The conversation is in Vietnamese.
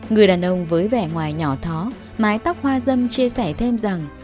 người đàn ông với vẻ ngoài nhỏ thó mái tóc hoa dâm chia sẻ thêm rằng